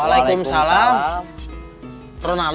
satuung punya tahuk k hefta unaik